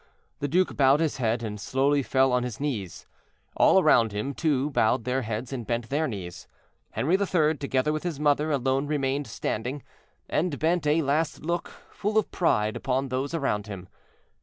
The duke bowed his head, and slowly fell on his knees. All around him, too, bowed their heads and bent their knees. Henri III., together with his mother, alone remained standing, and bent a last look, full of pride, upon those around him.